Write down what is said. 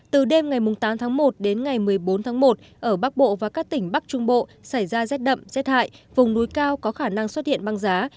từ đêm ngày tám tháng một đến ngày một mươi bốn tháng một ở bắc bộ và các tỉnh bắc trung bộ xảy ra rét đậm rét hại vùng núi cao có khả năng xuất hiện băng giá